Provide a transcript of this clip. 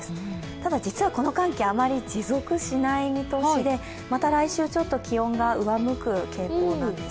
ただ実はこの寒気、あまり持続しない見通しでまた来週、ちょっと気温が上向く傾向なんです。